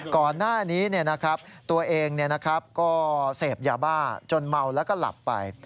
ก่อนหน้านี้ตัวเองก็เสพยาบ้าจนเมาแล้วก็หลับไป